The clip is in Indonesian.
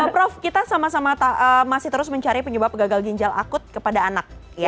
prof kita sama sama masih terus mencari penyebab gagal ginjal akut kepada anak